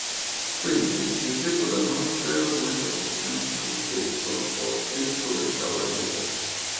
Quindi il "tetto del monastero" diventa semplicemente un "tetto" o "Tetto del cavaliere".